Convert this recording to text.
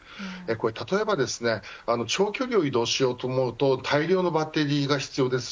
例えば長距離を移動しようと思うと大量のバッテリーが必要です。